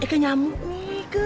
eike nyamuk nih ke